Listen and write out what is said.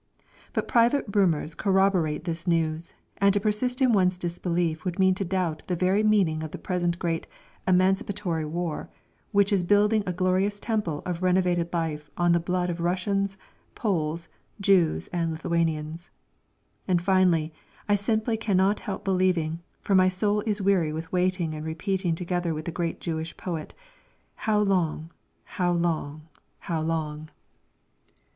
But private rumours corroborate this news, and to persist in one's disbelief would mean to doubt the very meaning of the present great "emancipatory" war, which is building a glorious temple of renovated life on the blood of Russians, Poles, Jews and Lithuanians. And finally, I simply cannot help believing, for my soul is weary with waiting and repeating together with the great Jewish poet: "How long, how long, how long?"